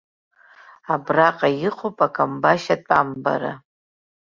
Абраҟа иҟоуп акамбашь атәамбара.